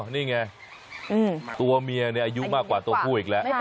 นี่ไงตัวเมียเนี่ยอายุมากกว่าตัวผู้อีกแล้ว